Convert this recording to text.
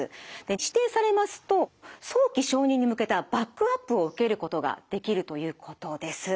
指定されますと早期承認に向けたバックアップを受けることができるということです。